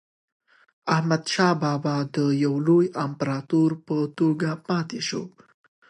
احمدشاه بابا د یو لوی امپراتور په توګه پاتې شو.